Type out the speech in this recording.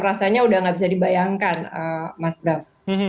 rasanya sudah nggak bisa dibayangkan mas brang